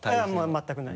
全くない。